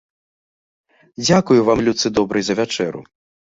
Дзякую вам, людцы добрыя, за вячэру!